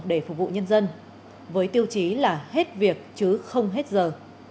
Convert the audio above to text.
để phục vụ nhân dân với tiêu chí là hết việc chứ không hết giờ